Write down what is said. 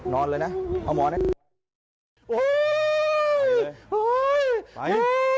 นอนเลยนะเอาหมอนะ